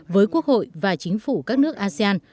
với quốc hội và chính phủ các nước asean